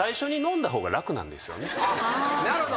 なるほど。